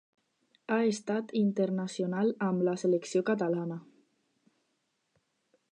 Ha estat internacional amb la selecció catalana.